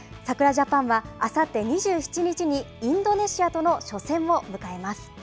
ジャパンは、あさって２７日に、インドネシアとの初戦を迎えます。